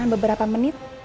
dalam beberapa menit